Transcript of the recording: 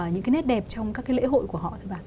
những cái nét đẹp trong các cái lễ hội của họ thưa bà